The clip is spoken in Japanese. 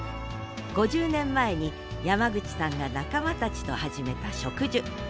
５０年前に山口さんが仲間たちと始めた植樹。